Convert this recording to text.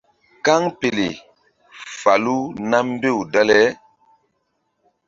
Kaŋpele falu nam mbew dale.